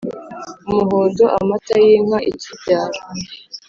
umuhondo amata y’inka ikibyara